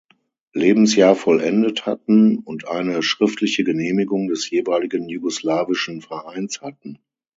Lebensjahr vollendet hatten und eine schriftliche Genehmigung des jeweiligen jugoslawischen Vereins hatten.